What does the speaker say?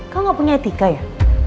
kamu gak punya etika ya